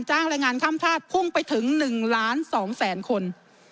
จ้างแรงงานข้ามชาติพุ่งไปถึง๑๒ล้านคน